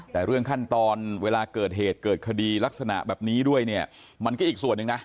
แต่เรื่องขั้นตอนเวลาเกิดเหตุเกิดคดีลักษณะแบบนี้ด้วยเนี่ยมันก็อีกส่วนหนึ่งนะ